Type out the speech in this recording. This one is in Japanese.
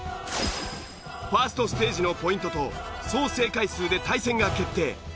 ファーストステージのポイントと総正解数で対戦が決定。